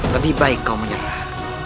lebih baik kau menyerah